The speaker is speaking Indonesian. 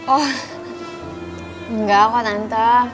oh enggak kok tante